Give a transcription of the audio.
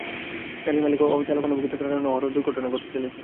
গাড়ির মালিক ও চালক অনভিজ্ঞ থাকার কারণে অহরহ এ দুর্ঘটনা ঘটেই চলছে।